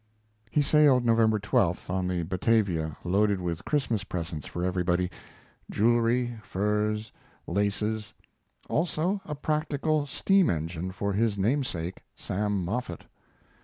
He sailed November 12th, on the Batavia, loaded with Christmas presents for everybody; jewelry, furs, laces; also a practical steam engine for his namesake, Sam Moffett.